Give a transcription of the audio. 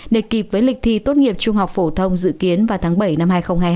để kịp với lịch thi tốt nghiệp trung học phổ thông dự kiến vào tháng bảy năm hai nghìn hai mươi